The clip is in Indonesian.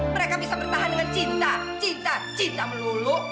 mereka bisa bertahan dengan cinta cinta cinta melulu